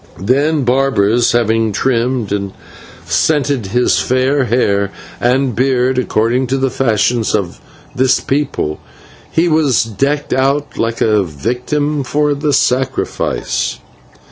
Then, barbers having trimmed and scented his fair hair and beard according to the fashion of this people, he was decked out like a victim for the sacrifice.